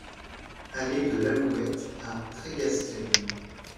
Allée de l'Alouette à Trégastel